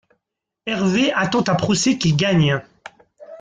Hervey intente un procès, qu’il gagne.